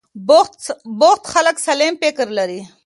بوخت خلک سالم فکر لري.